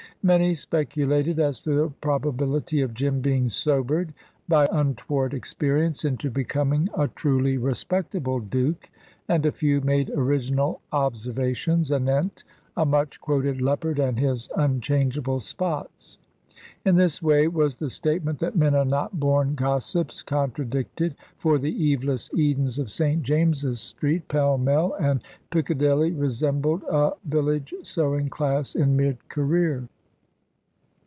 Many speculated as to the probability of Jim being sobered by untoward experience into becoming a truly respectable Duke, and a few made original observations anent a much quoted leopard and his unchangeable spots. In this way was the statement that men are not born gossips contradicted, for the Eveless Edens of St. James's Street, Pall Mall, and Piccadilly resembled a village sewing class in mid career.